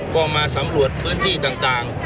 ก็มาสำรวจพื้นที่ต่าง